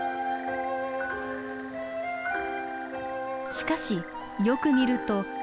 しかしよく見ると。